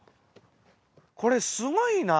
これすごいな。